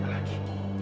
bawa dia lagi